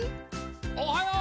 おはよう！